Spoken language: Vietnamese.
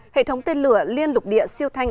hệ thống tên lửa liên lục địa siêu thanh